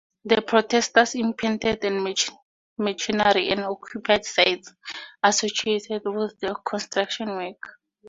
Protesters impeded machinery and occupied sites associated with the construction work.